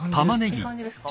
いい感じですか？